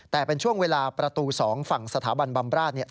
แต่เป็นช่วงเวลาประตู๒ฝั่งสถาบันบำราชเนี่ย